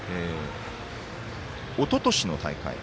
おととしの大会。